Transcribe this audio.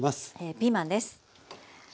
ピーマンです。